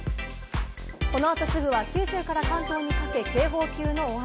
この後すぐは九州から関東にかけ、警報級の大雨。